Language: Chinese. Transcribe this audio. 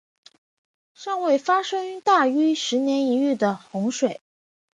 尚未发生大于十年一遇的洪水。